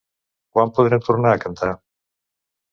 Quan podrem tornar a cantar?